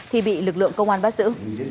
thì bị lực lượng công an bắt giữ